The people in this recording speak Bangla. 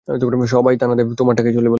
সবাই তানা দেয়, তোমার টাকায় চলি বলে।